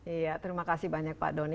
iya terima kasih banyak pak doni